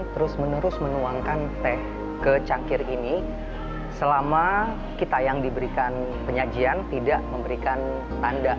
terus menerus menuangkan teh ke cangkir ini selama kita yang diberikan penyajian tidak memberikan tanda